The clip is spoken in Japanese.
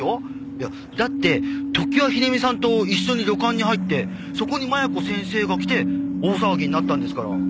いやだって常盤秀美さんと一緒に旅館に入ってそこに麻弥子先生が来て大騒ぎになったんですから。